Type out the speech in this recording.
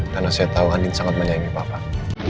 karena saya tahu andin sangat menyayangi bapak